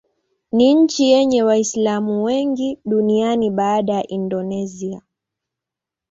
Ni nchi yenye Waislamu wengi duniani baada ya Indonesia.